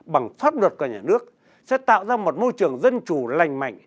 bằng pháp luật của nhà nước sẽ tạo ra một môi trường dân chủ lành mạnh